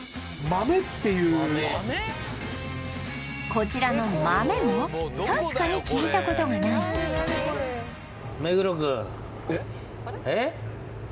こちらのマメも確かに聞いたことがないえっ？